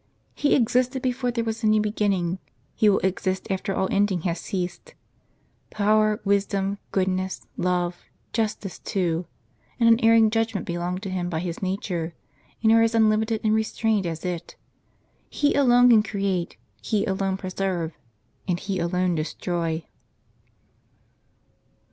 He existed before there was any beginning ; He will exist after all ending has ceased. Power, wisdom, goodness, love, justice too, and unerring judgment belong to Him by His nature, and are as unlimited and unre strained as it. He alone can create. He alone preserve, and He alone destroy."